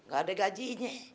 gak ada gajinya